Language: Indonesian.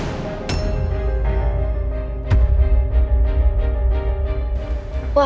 kue ini akan terjadi keracunan